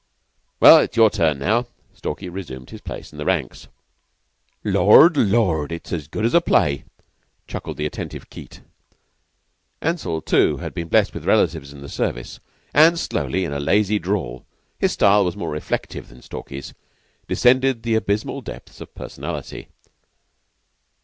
"Well, it's your turn now." Stalky resumed his place in the ranks. "Lord, Lord! It's as good as a play," chuckled the attentive Keyte. Ansell, too, had been blessed with relatives in the service, and slowly, in a lazy drawl his style was more reflective than Stalky's descended the abysmal depths of personality.